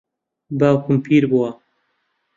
باوکم پیر بووە.